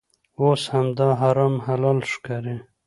اوس همدا حرام حلال ښکاري.